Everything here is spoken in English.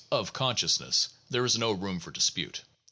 637 "of consciousness," there is no room for dispute.